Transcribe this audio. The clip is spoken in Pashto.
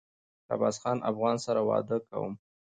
شهبازخان افغان سره واده کوم